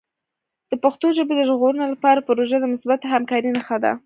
د پښتو ژبې د ژغورنې لپاره پروژه د مثبتې همکارۍ نښه ده.